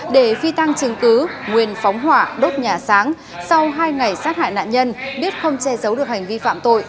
để phi tăng chứng cứ nguyên phóng hỏa đốt nhà sáng sau hai ngày sát hại nạn nhân biết không che giấu được hành vi phạm tội